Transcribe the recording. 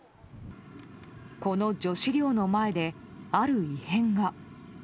この女子寮の前で、ある異変が。